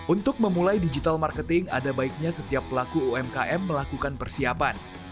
untuk memulai digital marketing ada baiknya setiap pelaku umkm melakukan persiapan